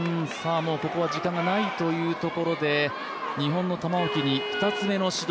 ここはもう時間がないというところで、日本の玉置に２つ目の指導。